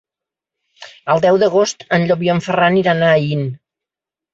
El deu d'agost en Llop i en Ferran iran a Aín.